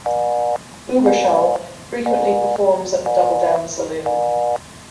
Uberschall frequently performs at the Double-Down Saloon.